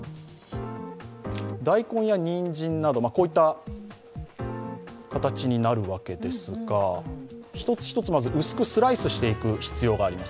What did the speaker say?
大根やにんじんなどこういった形になるわけですが一つ一つ、薄くスライスしていく必要があります。